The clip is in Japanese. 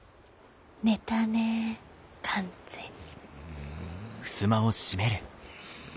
寝たね完全に。